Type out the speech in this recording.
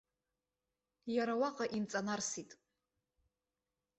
Иара уаҟа имҵанарсит.